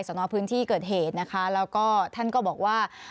นอพื้นที่เกิดเหตุนะคะแล้วก็ท่านก็บอกว่า